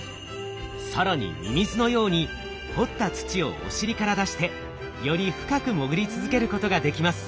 更にミミズのように掘った土をお尻から出してより深く潜り続けることができます。